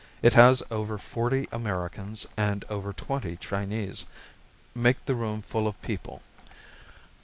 It has over forty Americans and over twenty Chinese, make the room full of people.